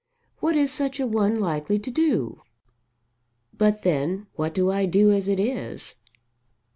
What is such a one likely to do? But then what do I do, as it is?